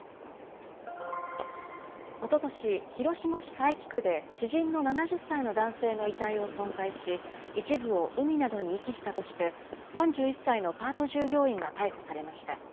おととし、広島市佐伯区で知人の７０歳の男性の遺体を損壊し、一部を海などに遺棄したとして、３１歳のパート従業員が逮捕されました。